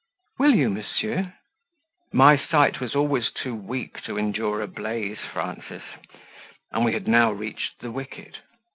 "Will you, monsieur?" "My sight was always too weak to endure a blaze, Frances," and we had now reached the wicket.